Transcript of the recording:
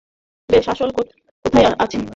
বেশ, আসল কোথায় আসি।